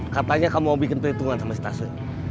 katanya kamu mau bikin perhitungan sama stasiun